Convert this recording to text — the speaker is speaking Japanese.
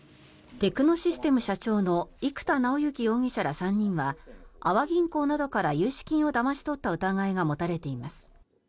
テクノシステム社長の生田尚之社長ら３人は阿波銀行などから融資金をだまし取った疑いが持たれています。